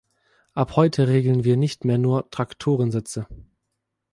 Ab heute regeln wir nicht mehr nur Traktorensitze.